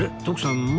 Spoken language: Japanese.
徳さん